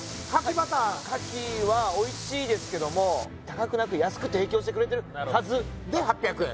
バターかきはおいしいですけども高くなく安く提供してくれてるはずで８００円